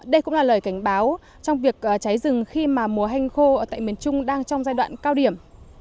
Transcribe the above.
đây cũng là lời cảnh báo trong việc cháy rừng khi mà mùa hanh khô tại miền trung đang trong giai đoạn cao điểm